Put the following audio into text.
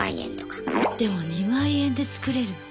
でも２万円で作れるの？